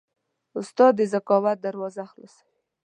استاد د ذکاوت دروازه خلاصوي.